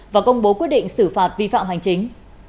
và công bố quyết định xử phạt vi phạm hành chính